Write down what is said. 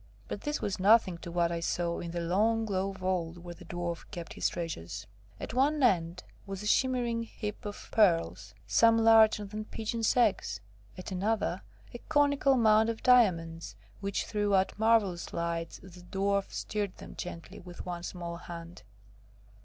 But this was nothing to what I saw in the long low vault where the Dwarf kept his treasures. At one end was a shimmering heap of pearls, some larger than pigeons' eggs; at another, a conical mound of diamonds, which threw out marvellous lights as the Dwarf stirred them gently with one small hand.